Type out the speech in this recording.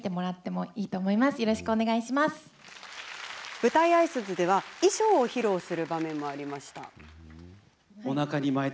舞台あいさつでは衣装を披露する場面も。